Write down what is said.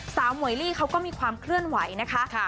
หมวยลี่เขาก็มีความเคลื่อนไหวนะคะ